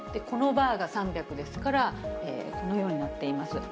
このバーが３００ですから、このようになっています。